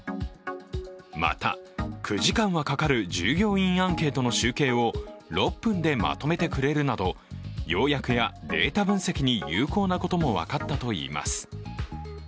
また、９時間はかかる従業員アンケートの集計を６分でまとめてくれるなど要約やデータ分析に有効なことも分かったといいます。